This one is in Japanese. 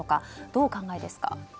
どうお考えですか？